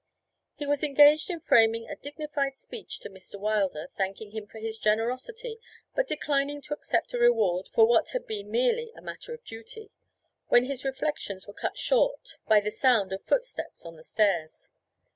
He was engaged in framing a dignified speech to Mr. Wilder thanking him for his generosity, but declining to accept a reward for what had been merely a matter of duty when his reflections were cut short by the sound of footsteps on the stairs.